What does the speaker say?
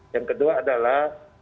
yang kedua adalah